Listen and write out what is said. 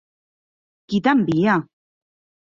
Qui t'envia?